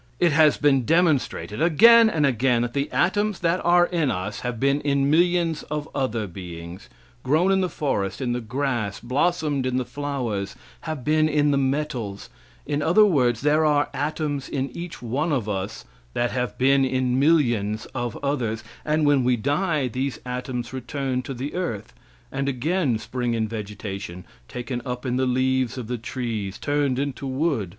It has been demonstrated again and again that the atoms that are in us have been in millions of other beings; grown in the forest, in the grass, blossomed in the flowers, been in the metals; in other words, there are atoms in each one of us that have been in millions of others, and when we die these atoms return to the earth, and again spring in vegetation, taken up in the leaves of the trees, turned into wood.